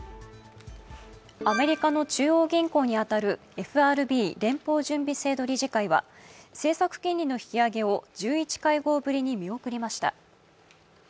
アメリカの中央銀行に当たるＦＲＢ＝連邦準備制度理事会は政策金利の引き上げを１１会合ぶりに見送りました。